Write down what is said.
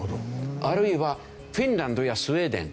あるいはフィンランドやスウェーデン